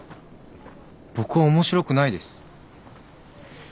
僕は面白くないです。